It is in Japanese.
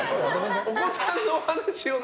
お子さんの話をね。